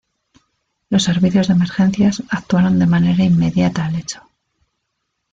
Los servicios de emergencias actuaron de manera inmediata al hecho.